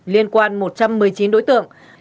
liên quan một trăm một mươi chín đối tượng